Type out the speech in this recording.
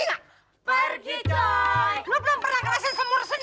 sampai pulang lu ke rumah orang tua lu